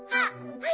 あ！